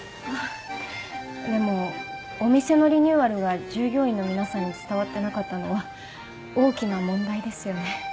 あぁでもお店のリニューアルが従業員の皆さんに伝わってなかったのは大きな問題ですよね。